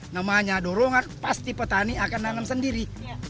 namanya dorongan pasti petani akan nanam sendiri